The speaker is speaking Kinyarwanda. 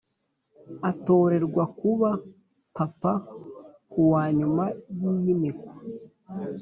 atorerwa kuba papa kuwa nyuma yiyimikwa